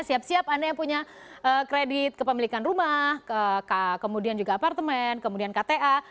siap siap anda yang punya kredit kepemilikan rumah kemudian juga apartemen kemudian kta